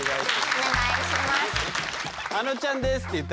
お願いします。